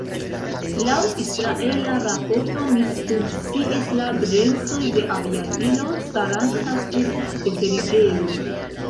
Laŭ israela raporto misfunkciis la bremsoj de aviadilo staranta sur deteriĝejo.